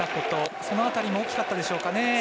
その辺りも大きかったでしょうか。